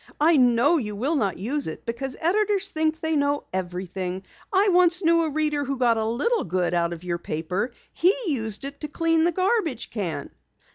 I know you will not use it because editors think they know everything. I once knew a reader who got a little good out of your paper. He used it to clean the garbage can.'"